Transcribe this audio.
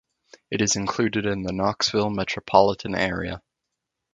It is included in the Knoxville Metropolitan Area.